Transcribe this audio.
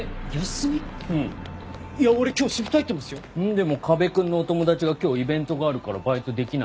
でも河辺君のお友達が今日イベントがあるからバイトできないって。